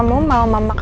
menang di karta penda